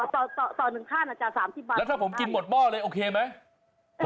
ส่อนึงท่านอาจจะสามสิบบาท